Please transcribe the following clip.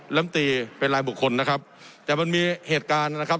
ลำตีเป็นรายบุคคลนะครับแต่มันมีเหตุการณ์นะครับ